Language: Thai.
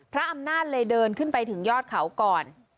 พระอำนาจเลยเดินขึ้นไปถึงยอดเขาก่อน